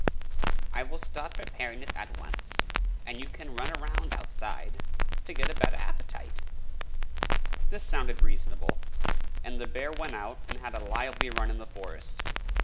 I will start preparing it at once, and you can run around outside to get up a better appe tite." This sounded reasonable, and the bear went out and had a lively ruii in the forest.